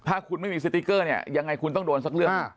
ถ้าคุณไม่มีสติกเกอร์บางครั้งคุณต้องดงประกอบ